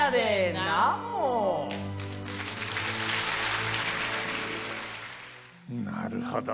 なるほど！